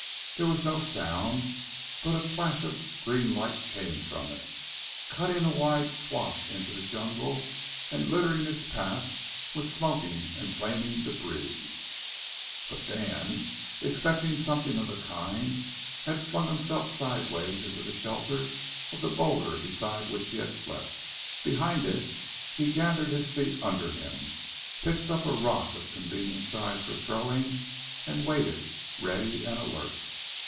There was no sound, but a flash of green light came from it, cutting a wide swath into the jungle, and littering its path with smoking and flaming debris. But Dan, expecting something of the kind, had flung himself sidewise into the shelter of the boulder beside which he had slept. Behind it, he gathered his feet under him, picked up a rock of convenient size for throwing, and waited, ready and alert.